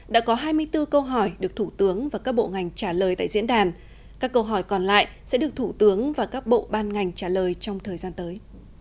đã có hai mươi bốn câu hỏi được thủ tướng và các bộ ngành trả lời tại diễn đàn các câu hỏi còn lại sẽ được thủ tướng và các bộ ban ngành trả lời trong thời gian tới